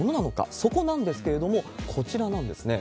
そこなんですけれども、こちらなんですね。